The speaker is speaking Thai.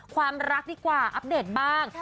ความรักดีกว่าอัปเดตบ้าง